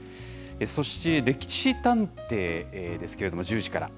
そして歴史探偵ですけれども、１０時から。